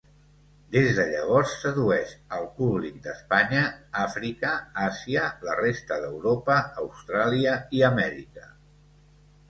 Des de llavors, sedueix al públic d'Espanya, Àfrica, Àsia, la resta d'Europa, Austràlia i Amèrica.